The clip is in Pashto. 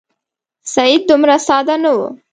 سید دومره ساده نه وو.